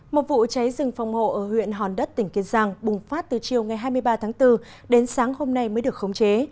một vụ cháy rừng phòng hộ ở huyện hòn đất tỉnh kiên giang bùng phát từ chiều ngày hai mươi ba tháng bốn đến sáng hôm nay mới được khống chế